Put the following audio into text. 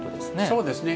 そうですね。